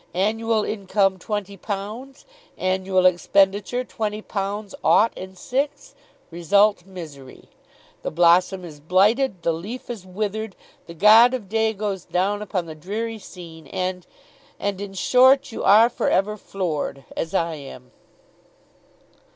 Annual income twenty pounds, annual expenditure twenty pounds ought and six, result misery. The blossom is blighted, the leaf is withered, the god of day goes down upon the dreary scene, and and in short you are for ever floored. As I am!